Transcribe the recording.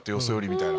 みたいな。